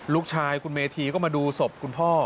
ลูกชายคุณเมธีก็มาดูศพคุณพ่อ